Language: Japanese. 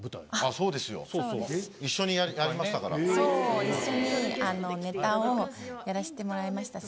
そう一緒にネタをやらせてもらいましたし。